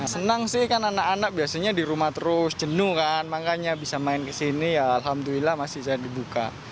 senang sih kan anak anak biasanya di rumah terus jenuh kan makanya bisa main kesini ya alhamdulillah masih bisa dibuka